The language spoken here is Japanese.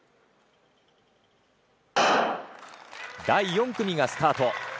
第４組がスタート。